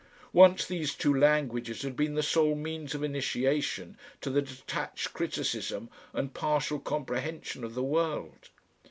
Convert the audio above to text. Once these two languages had been the sole means of initiation to the detached criticism and partial comprehension of the world.